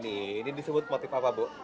ini disebut motif apa bu